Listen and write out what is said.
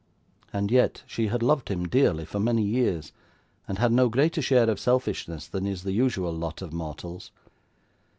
And yet, she had loved him dearly for many years, and had no greater share of selfishness than is the usual lot of mortals.